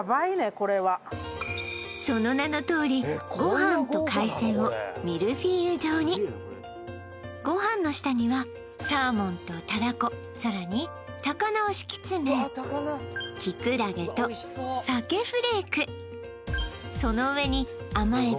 これはその名のとおりご飯と海鮮をミルフィーユ状にご飯の下にはサーモンとたらこさらに高菜を敷き詰めキクラゲと鮭フレークその上に甘エビ